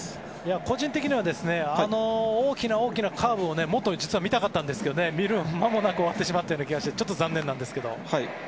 個人的には大きなカーブをもっと実は見たかったんですけど見る間もなく終わった気がしてちょっと残念でした。